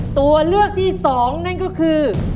ตัวเลือกที่๒นั่นก็คือ